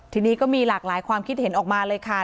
ทีนี้ก็มีหลากหลายความคิดเห็นออกมาเลยค่ะ